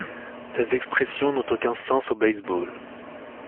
Ces expressions n'ont aucun sens au baseball.